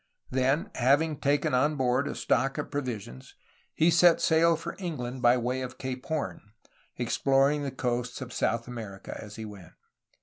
Then, having taken on board a stock of provisions, he set sail for England by way of Cape Horn, exploring the coasts of South America as he went.